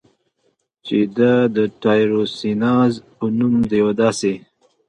چې دا د ټایروسیناز په نوم د یوه داسې